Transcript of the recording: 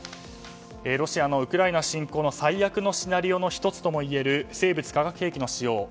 ロシアのウクライナ侵攻の最悪のシナリオの１つともいえる生物・化学兵器の使用。